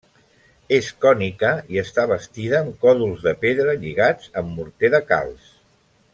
És cònica i està bastida amb còdols de pedra lligats amb morter de calç.